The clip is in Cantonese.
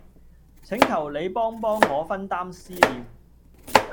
請求你幫幫我分擔思念